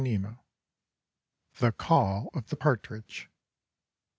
Raddin. THE CALL OF THE PARTRIDGE.